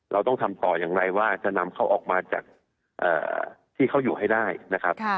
เราต้องทำต่ออย่างไรว่าจะนำเขาออกมาจากที่เขาอยู่ให้ได้นะครับ